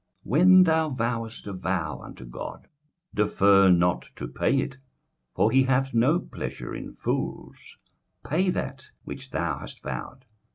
21:005:004 When thou vowest a vow unto God, defer not to pay it; for he hath no pleasure in fools: pay that which thou hast vowed.